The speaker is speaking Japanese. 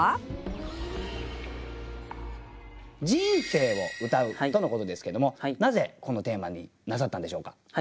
「人生を詠う」とのことですけどもなぜこのテーマになさったんでしょうか？